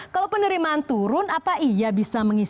kalau penerimaan turun apa ia bisa mengisi